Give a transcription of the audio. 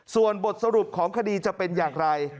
ส่วนบทสรุปของคดีจะเป็นอย่างไร